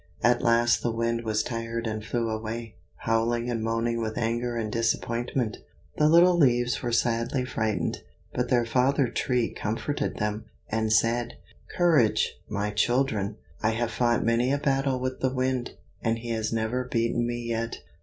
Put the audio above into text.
At last the Wind was tired and flew away, howling and moaning with anger and disappointment. The little leaves were sadly frightened, but their father Tree comforted them, and said, "Courage, my children! I have fought many a battle with the Wind, and he has never beaten me yet.